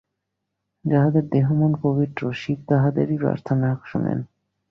যাহাদের দেহ-মন পবিত্র, শিব তাহাদেরই প্রার্থনা শুনেন।